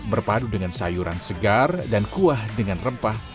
berpadu dengan sayuran segar dan kuah dengan rempah